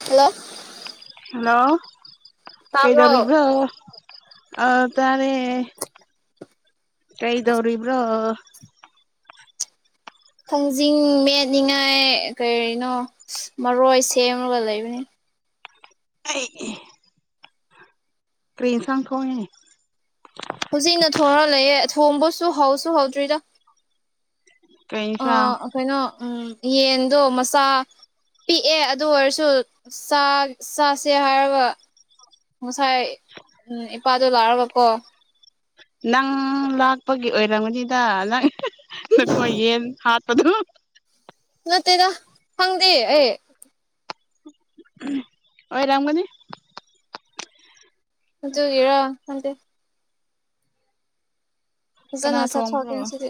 Hello hello ꯇꯥꯕ꯭ꯔꯣ ꯀꯩꯗꯧꯔꯤꯕ꯭ꯔꯣ ꯑ ꯇꯥꯔꯦ ꯀꯩꯗꯧꯔꯤꯕ꯭ꯔꯣ ꯊꯪꯖꯤꯡ ꯃꯦꯠꯅꯤꯡꯉꯥꯏ ꯀꯔꯤꯅꯣ ꯃꯔꯣꯏ ꯁꯦꯝꯔꯒ ꯂꯩꯕꯅꯤ ꯑꯩꯒꯤ ꯀꯔꯤ ꯏꯟꯁꯥꯡ ꯊꯣꯡꯉꯦ ꯍꯧꯖꯤꯛꯅ ꯊꯣꯡꯔ ꯂꯩꯑꯦ ꯊꯣꯡꯕꯁꯨ ꯍꯧꯎꯁꯨ ꯍꯧꯗ꯭ꯔꯤꯗ ꯀꯩ ꯁꯥꯡ ꯑ ꯀꯩꯅꯣ ꯎꯝ ꯌꯦꯟꯗꯣ ꯃꯆꯥ ꯄꯤꯛꯑꯦ ꯑꯗꯨ ꯑꯣꯏꯔꯁꯨ ꯆꯥꯛ ꯆꯥꯁꯦ ꯍꯥꯏꯔꯒ ꯉꯁꯥꯏ ꯎꯝ ꯏꯄꯥꯗꯣ ꯂꯥꯛꯑꯒꯀꯣ ꯅꯪ ꯂꯥꯛꯄꯒꯤ ꯑꯣꯏꯔꯝꯒꯅꯤꯗ ꯅꯪ ꯅꯈꯣꯏ ꯌꯦꯟ ꯍꯥꯠꯄꯗꯣ ꯅꯠꯇꯦꯗ ꯍꯪꯗꯦ ꯑꯦ ꯑꯣꯔꯝꯒꯅꯤ ꯑꯗꯨꯒꯤꯔ ꯈꯟꯗꯦ ꯀꯅꯥ ꯐꯖꯅꯥ ꯆꯥꯊꯣꯛꯀꯦ ꯊꯣꯡꯕ꯭ꯔꯣ ꯉꯁꯤꯗꯤ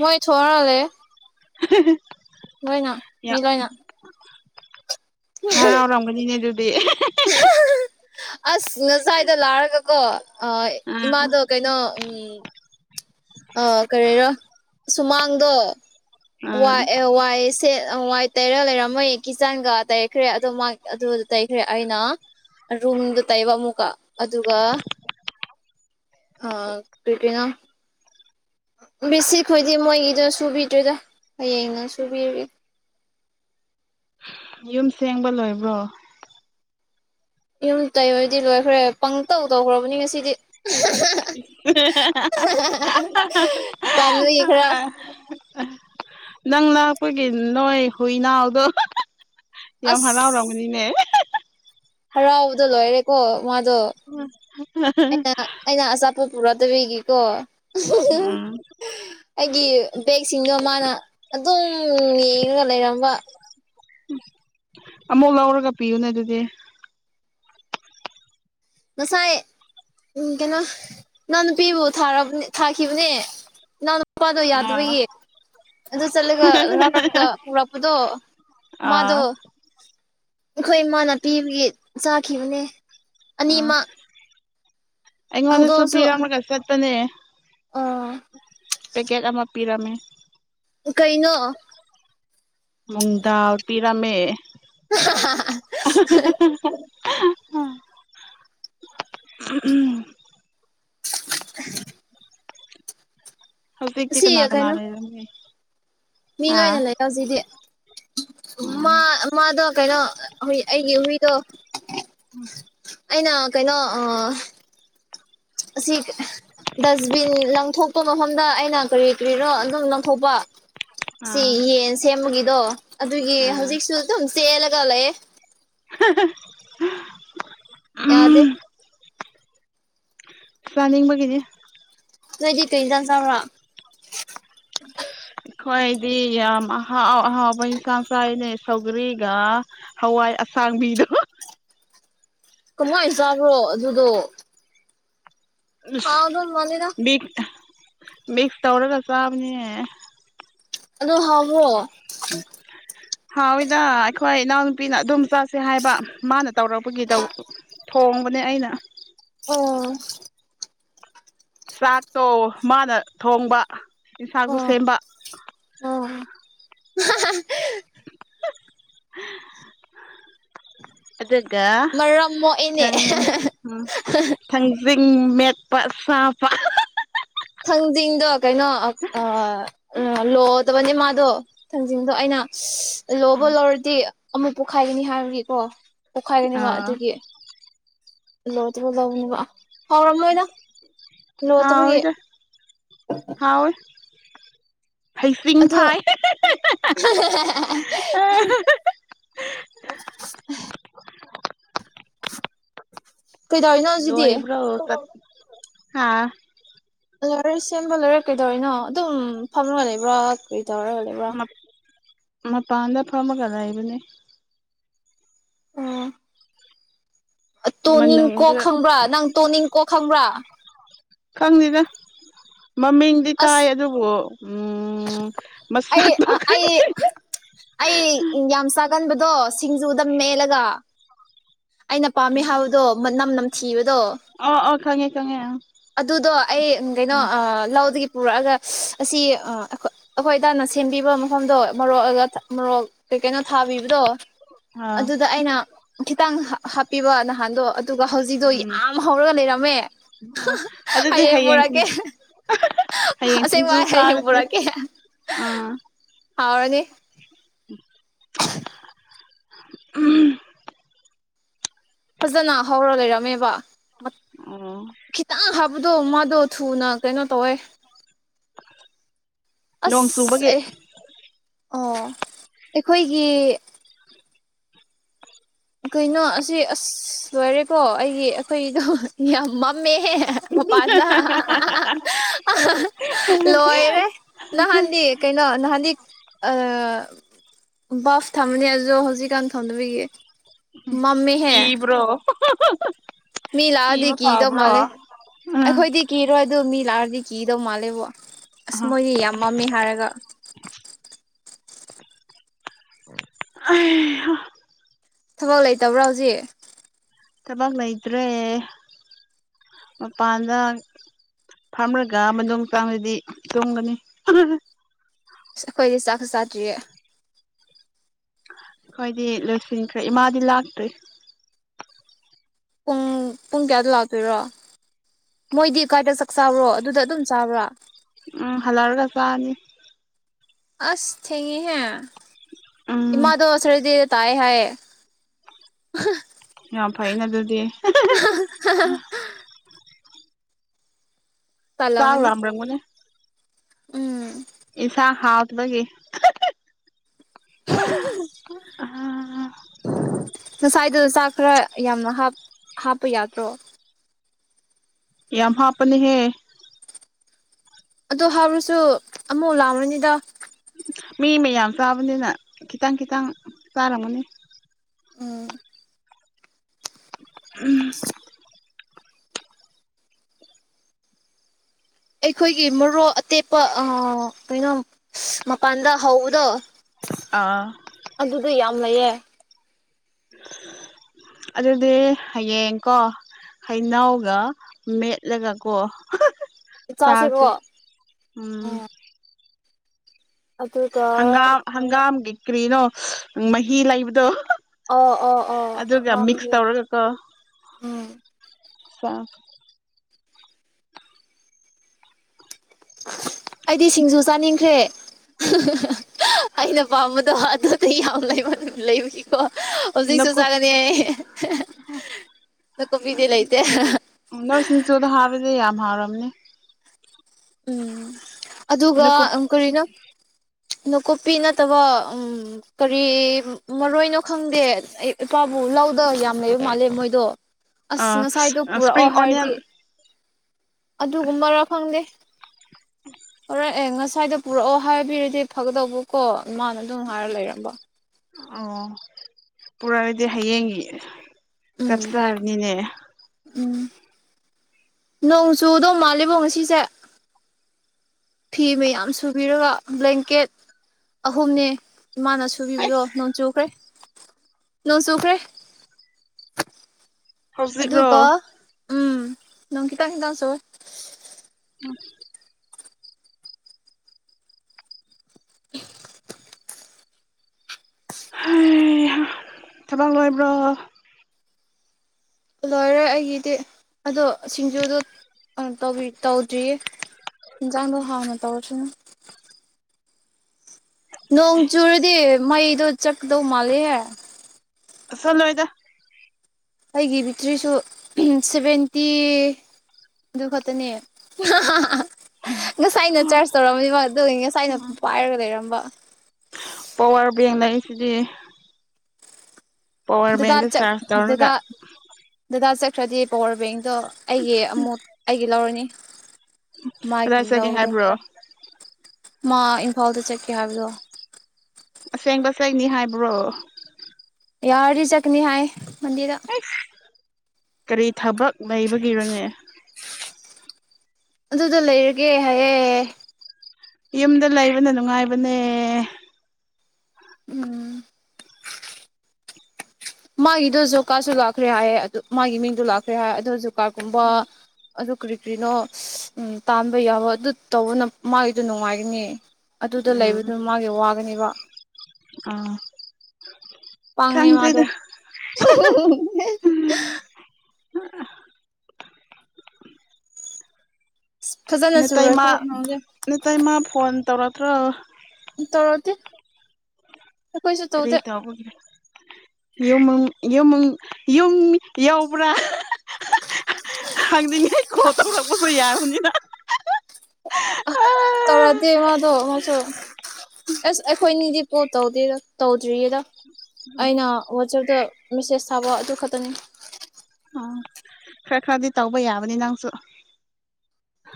ꯃꯣꯏ ꯊꯔꯂꯦ ꯎ [unintelligible] ꯂꯣꯏꯅ ꯃꯤ ꯂꯣꯏꯅ ꯍꯔꯥꯎꯔꯝꯒꯅꯦ ꯑꯗꯨꯗꯤ ꯑꯁ ꯉꯁꯥꯏꯗ ꯂꯥꯛꯔꯒꯀꯣ ꯑꯥ ꯏꯃꯥꯗꯣ ꯀꯩꯅꯣ ꯎꯝ ꯑ ꯀꯔꯤꯔꯣ ꯁꯨꯃꯥꯡꯗꯣ ꯑꯥ ꯋꯥꯏ ꯋꯥꯏ ꯁꯦꯠ ꯋꯥꯏ ꯇꯔ ꯂꯩꯔꯝꯃꯣꯏ ꯀꯤꯆꯥꯡꯒ ꯇꯩꯈ꯭ꯔꯦ ꯑꯗꯣ ꯃꯥ ꯑꯗꯨꯗ ꯇꯩꯈ꯭ꯔꯦ ꯑꯩꯅ ꯔꯨꯝꯗꯣ ꯇꯩꯕ ꯑꯃꯨꯛꯀ ꯑꯗꯨꯒ ꯑ ꯀ꯭ꯔꯤꯄꯤꯅꯥ ꯕꯤꯁꯤꯈꯣꯏꯗꯤ ꯃꯣꯏꯒꯤꯗꯣ ꯁꯨꯕꯤꯗꯦꯗ ꯍꯌꯦꯡꯅ ꯁꯨꯕꯤꯔ ꯌꯨꯝ ꯁꯦꯡꯕ ꯂꯣꯏꯕ꯭ꯔꯣ ꯌꯨꯝ ꯇꯩꯕꯗꯤ ꯂꯣꯏꯈ꯭ꯔꯦ ꯄꯪ ꯇꯧ ꯇꯧꯈ꯭ꯔꯕꯅꯤ ꯉꯁꯤꯗꯤ [inaudible] ꯇꯟꯕꯒꯤ ꯈꯔ ꯅꯪꯅ ꯑꯩꯈꯣꯏꯒꯤ ꯅꯣꯏ ꯍꯨꯏꯅꯥꯎꯗꯣ꯫ ꯌꯥꯝ ꯑꯁ ꯍꯥꯔꯥꯎꯔꯝꯒꯅꯤꯅꯦ꯫ ꯍꯔꯥꯎꯕꯗꯣ ꯂꯣꯏꯔꯦꯀꯣ ꯃꯥꯗꯣ꯫ ꯎꯝ [unintelligible] ꯑꯩꯅ ꯑꯆꯥꯄꯣꯠ ꯄꯨꯔꯛꯇꯕꯤꯒꯤꯀꯣ ꯎꯝ ꯑꯩꯒꯤ ꯕꯦꯛꯁꯤꯡꯗꯣ ꯃꯥꯅ ꯑꯗꯨꯝ ꯌꯦꯡꯉꯒ ꯂꯩꯔꯝꯕ꯫ ꯎꯝ ꯑꯃꯨꯛ ꯂꯧꯔꯒ ꯄꯤꯌꯨꯅꯦ ꯑꯗꯨꯗꯤ꯫ ꯉꯁꯥꯏ꯫ ꯎꯝ ꯀꯩꯅꯣ ꯏꯅꯥꯎ ꯅꯨꯄꯤꯕꯨꯥ ꯊꯥꯔ ꯊꯥꯈꯤꯕꯅꯦ ꯏꯅꯥꯎ ꯫ ꯅꯨꯄꯥꯗꯣ ꯑꯥ ꯌꯥꯗꯕꯒꯤ꯫ ꯑꯗꯨ ꯆꯠꯂꯒ ꯂꯧꯎꯔꯒ ꯄꯨꯔꯛꯄꯗꯣ ꯑꯥ ꯃꯥꯗꯣ ꯑꯩꯈꯣꯏ ꯏꯃꯥꯅꯥ ꯄꯤꯕꯒꯤ ꯆꯥꯈꯤꯕꯅꯦ ꯑꯥ ꯑꯅꯤꯃꯛ ꯑꯩꯉꯣꯟꯗꯁꯨ ꯍꯧꯗꯣꯡꯁꯨ ꯄꯤꯔꯝꯃꯒ ꯆꯠꯄꯅꯦ ꯑꯣ ꯄꯦꯀꯦꯠ ꯑꯃ ꯄꯤꯔꯝꯃꯦ꯫ ꯀꯩꯅꯣ꯫ ꯅꯨꯡꯗꯥꯥꯎ ꯄꯤꯔꯥꯃꯦ꯫ ꯎ ꯎꯝ [inaudible] ꯍꯧꯖꯤꯗꯤ ꯁꯤ ꯀꯅꯥ ꯀꯅꯥ ꯀꯩꯅꯣ ꯂꯩꯔꯝꯅꯤ꯫ ꯃꯤ ꯂꯣꯏꯅ ꯂꯩ ꯍꯧꯖꯤꯛꯇꯤ ꯑꯣ ꯃꯥ꯫ ꯃꯥꯗꯣ ꯀꯩꯅꯣ ꯍꯨꯏ ꯑꯩꯒꯤ ꯍꯨꯏꯗꯣ꯫ ꯑꯩꯅ ꯀꯩꯅꯣ ꯑꯥ ꯑꯁꯤ ꯗꯁꯕꯤꯟ ꯂꯪꯊꯣꯛꯄ ꯃꯐꯝꯗ ꯑꯩꯅ ꯀꯔꯤ ꯀꯔꯤꯔꯣ ꯑꯗꯨꯝ ꯂꯪꯊꯣꯛꯄ ꯁꯤ ꯑꯥ ꯌꯦꯟ ꯁꯦꯝꯕꯒꯤꯗꯣ ꯑꯗꯨꯒꯤ ꯑꯥ ꯍꯧꯖꯤꯛꯁꯨ ꯆꯦꯜꯂꯒ ꯂꯩꯌꯦ꯫ [unintelligible] ꯌꯥꯗꯦ꯫ ꯎꯝ ꯆꯥꯅꯤꯡꯕꯒꯤꯅꯤ꯫ ꯅꯣꯏꯗꯤ ꯀꯩ ꯏꯟꯖꯥꯟ ꯆꯥꯕ꯭ꯔꯥ꯫ [unintelligible] ꯑꯩꯈꯣꯏꯗꯤ ꯌꯥꯝ ꯑꯍꯥꯎ ꯑꯍꯥꯎꯕ ꯌꯦꯟꯁꯥꯡ ꯆꯥꯏꯅꯦ ꯁꯧꯒꯔꯤꯒ꯫ ꯍꯋꯥꯏ ꯑꯁꯥꯡꯕꯤꯗꯣ꯫ ꯀꯃꯥꯏꯅ ꯆꯥꯕ꯭ꯔꯣ ꯑꯗꯨꯗꯣ꯫ ꯍꯥꯎꯗꯧ ꯃꯥꯟꯗꯦꯗ ꯃꯤꯛꯁ ꯃꯤꯛꯁ ꯇꯧꯔꯒ ꯆꯥꯕꯅꯤꯅꯦ꯫ ꯑꯗꯣ ꯍꯥꯎꯕꯔꯣ꯫ [unintelligible] ꯍꯥꯎꯋꯏꯗ ꯑꯩꯈꯣꯏ ꯏꯅꯥꯎꯅꯨꯄꯤꯅ ꯑꯗꯨꯝ ꯆꯥꯁꯦ ꯍꯥꯏꯕ ꯃꯥꯅ ꯇꯧꯔꯛꯄꯒꯤ ꯇꯧ ꯊꯣꯡꯕꯅꯦ ꯑꯩꯅ꯫ ꯑꯣ꯫ ꯆꯥꯛꯇꯣ ꯃꯥꯅ ꯊꯣꯡꯕ ꯌꯦꯟꯁꯥꯛꯁꯨ ꯑꯣ ꯁꯦꯝꯕ꯫ ꯑꯣ [unintelligible] ꯑꯗꯨꯒ ꯃꯔꯝ ꯃꯣꯛꯑꯦꯅꯦ ꯊꯪ ꯎꯝ꯫ ꯊꯥꯡꯖꯤꯡ ꯃꯦꯠꯄ ꯆꯥꯕ꯫ ꯊꯥꯡꯖꯤꯡꯗꯣ ꯀꯩꯅꯣ ꯑꯥ ꯂꯣꯗꯕꯅꯦ ꯃꯥꯗꯣ꯫ ꯊꯥꯡꯖꯤꯡꯗꯣ ꯑꯩꯅ ꯁ ꯂꯣꯕ ꯂꯧꯔꯗꯤ ꯑꯃꯨꯛ ꯄꯣꯛꯈꯥꯏꯒꯅꯤ ꯍꯥꯏꯕꯒꯤꯀꯣ ꯄꯣꯛꯈꯥꯏꯒꯅꯤ ꯃꯥ ꯑꯥ ꯑꯗꯨꯒꯤ ꯂꯣꯗꯧ ꯂꯧꯕꯅꯤꯕ ꯂꯣꯠꯇꯕꯒꯤ ꯍꯥꯎꯢꯗ ꯍꯥꯎ ꯑꯦ ꯍꯩꯖꯤꯡ ꯑꯗꯨ ꯐꯥꯏ ꯑ ꯀꯩꯗꯧꯔꯤꯅꯣ ꯍꯧꯖꯤꯛꯗꯤ ꯂꯣꯏꯕ꯭ꯔꯣ ꯍꯥ ꯂꯣꯏꯔꯦ ꯁꯦꯝꯕ ꯂꯣꯏꯔꯦ ꯀꯩꯗꯧꯔꯤꯅꯣ ꯑꯗꯨꯝ ꯐꯝꯃꯒ ꯂꯩꯕ꯭ꯔꯥ ꯀꯩ ꯇꯧꯔꯒ ꯂꯩꯕ꯭ꯔꯥ ꯃꯄꯥꯟꯗ ꯐꯝꯃꯒ ꯂꯩꯕꯅꯦ ꯑꯣ ꯇꯣꯅꯤꯡ ꯀꯣꯛ ꯃꯅꯨꯡꯗ ꯈꯪꯕ꯭ꯔꯥ ꯅꯪ ꯇꯣꯅꯤꯡ ꯀꯣꯛ ꯈꯪꯕ꯭ꯔꯥ ꯈꯪꯗꯦꯗ ꯃꯃꯤꯡꯗꯤ ꯑꯁ ꯇꯥꯏ ꯑꯗꯨꯕꯨ ꯎꯝ ꯑꯩ ꯃꯁꯛꯇꯣ ꯈꯪ ꯑꯩ [unintelligible] ꯑꯩ ꯌꯥꯝ ꯆꯥꯒꯟꯕꯗꯣ ꯁꯤꯡꯖꯨꯗ ꯃꯦꯠꯂꯒ ꯑꯩꯅ ꯄꯥꯝꯃꯦ ꯍꯥꯏꯕꯗꯣ ꯃꯅꯝ ꯅꯝꯊꯤꯕꯗꯣ ꯑꯣ ꯑꯣ ꯈꯪꯉꯦ ꯈꯪꯉꯦ ꯑ ꯑꯗꯨꯗꯣ ꯑꯩ ꯀꯩꯅꯣ ꯎꯝ ꯂꯧꯗꯒꯤ ꯄꯨꯔꯛꯑꯒ ꯑꯁꯤ ꯑꯩꯈꯣꯏ ꯑꯩꯈꯣꯏ ꯗꯇ ꯁꯦꯝꯕꯤꯕ ꯃꯐꯝꯗꯣ ꯃꯔꯣꯛꯑꯒ ꯃꯔꯣꯛ ꯀꯩ ꯀꯩꯅꯣ ꯊꯥꯕꯤꯕꯗꯣ ꯑꯥ ꯑꯗꯨꯗ ꯑꯩꯅ ꯈꯤꯇꯪ ꯍꯥꯞꯄꯤꯕ ꯅꯍꯥꯟꯗꯣ ꯑꯗꯨꯒ ꯍꯧꯖꯤꯛꯗꯣ ꯎꯝ ꯌꯥꯝ ꯍꯧꯔꯒ ꯂꯩꯔꯝꯃꯦ ꯑ ꯑꯗꯨꯗꯤ ꯍꯌꯦꯡ ꯄꯨꯣꯔꯛꯀꯦ ꯍꯌꯦꯡ ꯑꯁꯦꯛꯕ ꯁꯤꯡꯖꯨ ꯍꯥꯌꯦꯛ ꯆꯥꯔꯁꯦ ꯄꯨꯔꯥꯛ ꯀꯦ ꯑꯥ ꯍꯥꯎꯔꯅꯤ ꯎꯝ [unintelligible] ꯎꯝ ꯐꯖꯅ ꯍꯧꯔ ꯂꯩꯔꯝꯃꯦꯕ ꯑꯣ ꯈꯤꯇꯪ ꯍꯥꯞꯄꯗꯣ ꯃꯥꯗꯣ ꯊꯨꯅ ꯀꯩꯅꯣ ꯇꯧꯋꯦ ꯅꯣꯡ ꯑꯁ ꯆꯨꯕꯒꯤ ꯑꯦ ꯑꯣ ꯑꯩꯈꯣꯏꯒꯤ ꯀꯩꯅꯣ ꯑꯁꯤ ꯑꯁ ꯂꯣꯏꯔꯦꯀꯣ ꯑꯩꯒꯤ ꯑꯩꯈꯣꯏꯗꯣ ꯌꯥꯝ ꯃꯛ [unintelligible] ꯃꯄꯥꯟꯗ ꯂꯣꯏꯔꯦ ꯅꯍꯥꯟꯗꯤ ꯀꯩꯅꯣ ꯅꯍꯥꯟꯗꯤ ꯑ ꯕꯥꯞ ꯊꯝꯃꯅꯦ ꯑꯗꯣ ꯍꯧꯖꯤꯛꯀꯥꯟ ꯊꯝꯗꯕꯒꯤ ꯀꯤꯕ꯭ꯔꯣ [inaudible] ꯃꯤ ꯂꯥꯑꯗꯤ ꯀꯤꯕ ꯀꯤꯗꯧ ꯐꯕ꯭ꯔꯣ ꯃꯥꯂꯦ ꯎꯝ ꯑꯩꯈꯣꯏꯗꯤ ꯀꯤꯔꯣꯏ ꯑꯗꯨ ꯃꯤ ꯂꯥꯛꯑꯗꯤ ꯀꯤꯗꯧ ꯃꯥꯜꯂꯦꯕꯣ ꯑꯁ ꯃꯣꯏꯗꯤ ꯌꯥꯝ ꯃꯝꯃꯦ ꯍꯥꯏꯔꯒ [unintelligible] ꯑꯩꯍꯥ ꯊꯕꯛ ꯂꯩꯇꯕ꯭ꯔꯣ ꯍꯧꯖꯤꯛ ꯊꯕꯛ ꯂꯩꯇ꯭ꯔꯦ ꯃꯄꯥꯟꯗ ꯐꯝꯔꯒ ꯃꯅꯨꯡ ꯆꯡꯂꯗꯤ ꯇꯨꯝꯒꯅꯤ [unintelligible] ꯑꯁ ꯑꯩꯈꯣꯏꯗꯤ ꯆꯥꯛꯁꯨ ꯆꯥꯗ꯭ꯔꯤꯌꯦ ꯈꯣꯏꯗꯤ ꯂꯣꯏꯁꯤꯟꯈ꯭ꯔꯦ ꯏꯃꯥꯗꯤ ꯂꯥꯛꯇ꯭ꯔꯤ ꯄꯨꯡ ꯄꯨꯡ ꯀꯌꯥꯗ ꯂꯥꯛꯇꯣꯏꯔꯣ ꯃꯣꯏꯗꯤ ꯀꯥꯏꯗ ꯆꯛ ꯆꯥꯕ꯭ꯔꯣ ꯑꯗꯨꯗ ꯑꯗꯨꯝ ꯆꯥꯕ꯭ꯔꯥ ꯎꯝ ꯍꯜꯂꯛꯔꯒ ꯆꯥꯅꯤ ꯑꯁ ꯊꯦꯡꯉꯦꯍꯦ ꯎꯝ ꯏꯃꯥꯗꯣ ꯁꯔꯗꯦ ꯇꯥꯏ ꯍꯥꯏꯌꯦ [unintelligible] ꯌꯥꯝ ꯐꯩꯩꯅ ꯗꯨꯗꯤ [unintelligible] ꯇꯜꯂꯝꯒꯅꯤ [unintelligible] ꯎꯝ ꯏꯟꯁꯥꯡ ꯍꯥꯥꯎꯇꯕꯒꯤ [unintelligible] [unintelligible] [inaudible] ꯉꯁꯥꯏꯗꯨ ꯆꯥꯛ ꯈꯔ ꯌꯥꯝꯅ ꯍꯥꯞ ꯍꯥꯞꯄ ꯌꯥꯗ꯭ꯔꯣ ꯌꯥꯝ ꯍꯥꯞꯄꯅꯦꯍꯦ ꯑꯗꯨ ꯍꯥꯞꯔꯁꯨ ꯑꯃꯨꯛ ꯂꯥꯝꯔꯅꯤꯗ ꯃꯤ ꯃꯌꯥꯝ ꯆꯥꯕꯅꯤꯅ ꯈꯤꯇꯪ ꯈꯤꯇꯪ ꯆꯥꯔꯝꯒꯅꯤ ꯎꯝ ꯎꯝ ꯑꯩꯈꯣꯏꯒꯤ ꯃꯔꯣꯛ ꯑꯇꯦꯛꯄ ꯑ ꯀꯔꯤꯅꯣ [unintelligible] ꯃꯄꯥꯟꯗ ꯍꯧꯕꯗꯣ ꯑ ꯑꯗꯨꯗ ꯌꯥꯝ ꯂꯩꯌꯦ ꯑꯗꯨꯗꯤ ꯍꯌꯦꯡꯀꯣ ꯍꯩꯅꯧꯒ ꯃꯦꯠꯂꯒꯀꯣ ꯆꯥꯁꯦ ꯏꯆꯥꯁꯦꯀꯣ ꯎꯝ ꯑꯗꯨꯒ ꯍꯪꯒꯥꯝ ꯍꯪꯒꯥꯝꯒꯤ ꯀꯔꯤꯅꯣ ꯃꯍꯤ ꯂꯩꯕꯗꯣ ꯑꯣ ꯑꯣ ꯑꯣ ꯑꯗꯨꯒ ꯃꯤꯛꯁ ꯍꯪꯒꯥꯝꯒꯤ ꯇꯧꯔꯒꯀꯣ ꯎꯝ [unintelligible] ꯑꯩꯗꯤ ꯁꯤꯡꯖꯨ ꯆꯥꯅꯤꯡꯈꯔꯦ ꯑꯩꯅ ꯄꯥꯝꯕꯗꯣ ꯍ ꯑꯗꯨꯗꯤ ꯌꯥꯝ ꯂꯩꯕ ꯂꯩꯕꯒꯤꯀꯣ ꯍꯧꯖꯤꯛꯁꯨ ꯅꯀꯨꯞ ꯆꯥꯒꯅꯤ ꯑꯗꯣ ꯀꯣꯕꯤꯗꯤ ꯂꯩꯇꯦ ꯎꯝ ꯅꯣꯏ ꯁꯤꯡꯆꯨꯗ ꯍꯥꯞꯔꯗꯤ ꯌꯥꯝ ꯍꯥꯎꯔꯝꯅꯤ ꯎꯝ ꯑꯗꯨꯒ ꯅꯀꯨꯞ ꯎꯝ ꯀꯔꯤꯅꯣ ꯅꯀꯨꯞꯄꯤ ꯅꯠꯇꯕ ꯎꯝ ꯀꯔꯤ ꯃꯔꯣꯏꯅꯣ ꯈꯪꯗꯦ ꯑꯩ ꯏꯄꯥꯕꯨ ꯂꯧꯗ ꯌꯥꯝ ꯂꯩꯕ ꯃꯥꯜꯂꯦ ꯃꯣꯏꯗꯣ ꯑꯁ ꯑꯥ ꯉꯁꯥꯏꯗꯣ ꯄꯨꯔꯛꯑꯣ ꯏꯁꯄ꯭ꯔꯤꯡ ꯑꯣꯅꯤꯌꯟ ꯍꯥꯏꯔꯗꯤ ꯑꯗꯨꯒꯨꯝꯕꯔ ꯈꯪꯗꯦ ꯍꯣꯔꯦ ꯑꯦ ꯉꯁꯥꯏꯗꯨ ꯄꯨꯔꯛꯑꯣ ꯍꯥꯏꯕꯤꯔꯗꯤ ꯐꯒꯗꯧꯕꯀꯣ ꯃꯥꯅ ꯗꯨꯝ ꯍꯥꯏꯔ ꯂꯩꯔꯝꯕ ꯑꯣ ꯄꯨꯔꯛꯑꯗꯤ ꯍꯌꯦꯡꯒꯤ ꯆꯞ ꯎꯝ ꯆꯥꯔꯅꯤꯅꯦ ꯎꯝ ꯅꯣꯡ ꯆꯨꯗꯧ ꯃꯥꯜꯂꯦꯕꯣ ꯉꯁꯤꯁꯦ ꯐꯤ ꯃꯌꯥꯝ ꯁꯨꯕꯤꯔꯒ ꯕ꯭ꯂꯦꯡꯀꯦꯠ ꯑꯍꯨꯝꯅꯦ ꯏꯃꯥꯅ ꯁꯨꯕꯤꯕꯗꯣ ꯑꯁ ꯅꯣꯟ ꯆꯨꯈ꯭ꯔꯦ ꯅꯣꯡ ꯆꯨꯈ꯭ꯔꯦ ꯍꯧꯖꯤꯛꯔꯣ ꯑꯗꯨꯒ ꯎꯝ ꯅꯣꯡ ꯈꯤꯇꯪ ꯈꯤꯇꯪ ꯆꯨꯋꯦ ꯎꯝ [unintelligible] ꯍꯩ ꯍꯥ ꯊꯕꯛ ꯂꯣꯏꯕ꯭ꯔꯣ ꯂꯣꯏꯔꯦ ꯑꯩꯒꯤꯗꯤ ꯑꯗꯣ ꯁꯤꯡꯖꯨꯗꯣꯅ ꯑ ꯇꯧꯕꯤ ꯇꯧꯗ꯭ꯔꯤꯌꯦ ꯍꯤꯡꯖꯥꯡꯗꯣ ꯍꯥꯎꯅ ꯇꯧꯔꯁꯅꯨ ꯅꯣꯡ ꯆꯨꯔꯗꯤ ꯃꯩꯗꯣ ꯆꯠꯀꯗꯧ ꯃꯥꯜꯂꯦꯍꯦ ꯆꯠꯂꯣꯏꯗ ꯑꯩꯒꯤ ꯕꯤꯇ꯭ꯔꯤꯁꯨ ꯁꯚꯦꯟꯇꯤ ꯑꯗꯨ ꯈꯛꯇꯅꯦ ꯉꯁꯥꯏꯅ ꯆꯥꯔꯖ ꯇꯧꯔꯝꯃꯤꯕ ꯑꯗꯨꯒ ꯉꯁꯥꯏꯅ ꯄꯥꯏꯔꯒ ꯂꯩꯔꯝꯕ ꯄꯋꯥꯔ ꯕꯦꯡ ꯂꯩꯁꯤꯗꯤ ꯄꯋꯥꯔ ꯗꯗꯥ ꯕꯦꯡꯗ ꯆꯠ ꯆꯥꯔꯖ ꯇꯧꯔꯒ ꯗꯗꯥ ꯗꯗꯥ ꯆꯠꯈ꯭ꯔꯗꯤ ꯄꯋꯥꯔ ꯕꯦꯡꯗꯣ ꯑꯩꯒꯤ ꯑꯃꯨꯛ ꯑꯩꯒꯤ ꯂꯧꯔꯅꯤ ꯃꯥꯒꯤ ꯀꯗꯥꯏ ꯆꯠꯒꯦ ꯂꯧꯗꯣ ꯍꯥꯏꯕ꯭ꯔꯣ ꯃꯥ ꯏꯝꯐꯥꯜꯗ ꯆꯠꯀꯦ ꯍꯥꯏꯕꯗꯣ ꯑꯁꯦꯡꯕ ꯆꯠꯅꯤ ꯍꯥꯏꯕ꯭ꯔꯣ ꯌꯥꯔꯗꯤ ꯆꯠꯀꯅꯤ ꯍꯥꯏ ꯃꯟꯗꯦꯗ ꯑꯦꯁ ꯀꯔꯤ ꯊꯕꯛ ꯂꯩꯕꯒꯤꯔꯅꯦ ꯑꯗꯨꯗ ꯂꯩꯔꯒꯦ ꯍꯥꯏꯌꯦ ꯌꯨꯝꯗ ꯂꯩꯕꯅ ꯅꯨꯡꯉꯥꯏꯕꯅꯦ ꯎꯝ ꯃꯥꯒꯤꯗꯨꯁꯨ ꯖꯣꯕꯀꯥꯁꯨ ꯂꯥꯛꯈ꯭ꯔꯦ ꯍꯥꯏ ꯑꯗꯨ ꯃꯥꯒꯤ ꯃꯤꯡꯗꯣ ꯂꯥꯛꯈ꯭ꯔꯦ ꯍꯥꯏ ꯑꯗꯨ ꯖꯣꯕꯀꯥꯔꯠꯒꯨꯝꯕ ꯑꯗꯨ ꯀꯔꯤ ꯀꯔꯤꯅꯣ ꯎ ꯇꯥꯟꯕ ꯌꯥꯕ ꯑꯗꯨ ꯇꯧꯕꯅ ꯃꯥꯒꯤꯗꯣ ꯅꯨꯡꯉꯥꯏꯒꯅꯤ ꯑꯗꯨꯗ ꯎꯝ ꯂꯩꯕꯗꯨ ꯃꯥꯒꯤ ꯋꯥꯒꯅꯦꯕ ꯑꯥ ꯄꯪꯉꯦ ꯃꯥꯗꯣ ꯈꯪꯗ꯭ꯔꯦꯗ ꯐꯖꯅ ꯅꯇꯩꯃꯥ ꯆꯨꯔꯦꯀꯣ ꯅꯣꯡꯁꯦ ꯅꯇꯩꯃꯥ ꯐꯣꯟ ꯇꯧꯔꯛꯇ꯭ꯔꯣ ꯇꯧꯔꯛꯇꯦ ꯑꯩꯈꯣꯏꯁꯨ ꯇꯧꯗꯦ [unintelligible] ꯌꯨꯃꯪ ꯌꯨꯃꯪ ꯌꯨꯝ ꯌꯧꯕ꯭ꯔꯥ ꯍꯪꯅꯤꯡꯉꯦ ꯀꯣꯜ ꯇꯧꯔꯛꯄꯁꯨ ꯌꯥꯕꯅꯤꯅ ꯑꯥ ꯇꯧꯔꯛꯇꯦ ꯃꯥꯗꯣ ꯃꯥꯁꯨ ꯑꯁ ꯑꯩꯈꯣꯏꯅꯤꯗꯤ ꯀꯣꯜ ꯇꯧꯗꯦꯗ ꯇꯧꯗ꯭ꯔꯤꯌꯦꯗ ꯑꯩꯅ ꯋꯥꯆꯞꯇ ꯃꯦꯁꯦꯁ ꯊꯥꯕ ꯑꯗꯨ ꯈꯛꯇꯅꯤ ꯈꯔ ꯈꯔꯗꯤ ꯇꯧꯕ ꯌꯥꯕꯅꯤ ꯅꯪꯁꯨ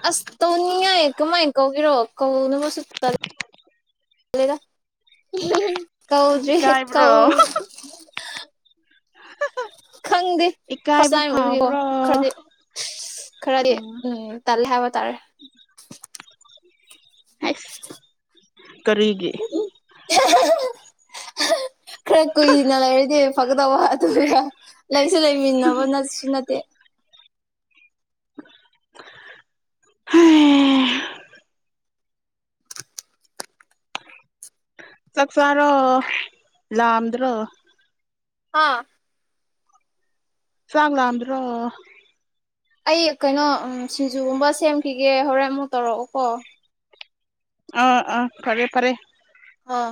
ꯑꯁ ꯇꯧꯅꯤꯡꯉꯦ ꯀꯃꯥꯏꯅ ꯀꯧꯒꯦꯔꯣ ꯀꯧꯅꯕꯁꯨ ꯇꯜ ꯇꯟꯂꯦꯗ ꯀꯧꯗ꯭ꯔꯤ ꯏꯀꯥꯏꯕ꯭ꯔꯣ ꯀꯧ ꯈꯪꯗꯦ ꯏꯀꯥꯏꯕ [unintelligible] ꯐꯥꯎꯕ꯭ꯔꯣ ꯈꯔꯗꯤ ꯈꯔꯗꯤ ꯎꯝ ꯇꯜꯂꯦ ꯍꯥꯏꯕ ꯇꯥꯔꯦ ꯑꯩꯁ [inaudible] ꯀꯔꯤꯒꯤ ꯈꯔ ꯀꯨꯏꯅ ꯂꯩꯔꯗꯤ ꯐꯒꯗꯕ ꯑꯗꯨꯒ ꯂꯩꯁꯨ ꯂꯩꯃꯤꯟꯅꯕ ꯅꯠꯁꯨ ꯅꯠꯇꯦ ꯆꯥꯛꯆꯥꯥꯔꯣ ꯂꯥꯝꯗ꯭ꯔꯣ ꯍꯥ ꯆꯥꯛ ꯂꯥꯝꯗ꯭ꯔꯣ ꯑꯩ ꯀꯩꯅꯣ ꯁꯤꯡꯖꯨꯒꯨꯝꯕ ꯁꯦꯝꯈꯤꯒꯦ ꯍꯣꯔꯦꯟ ꯑꯃꯨꯛ ꯇꯧꯔꯛꯑꯣꯀꯣ ꯑ ꯑ ꯐꯔꯦ ꯐꯔꯦ ꯍꯥ